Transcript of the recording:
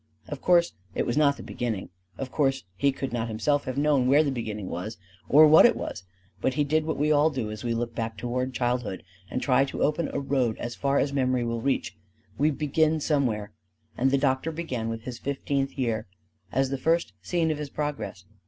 Of course it was not the beginning; of course he could not himself have known where the beginning was or what it was; but he did what we all do as we look back toward childhood and try to open a road as far as memory will reach, we begin somewhere, and the doctor began with his fifteenth year as the first scene of his Progress.